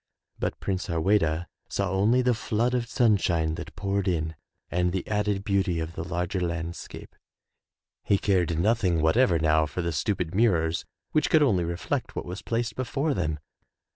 But Prince Harweda saw only the flood of sunshine that poured in, and the added beauty of the larger landscape. He cared noth ing whatever now for the stupid mirrors which could only reflect what was placed before them.